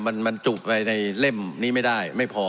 มันจุบไปในเล่มนี้ไม่ได้ไม่พอ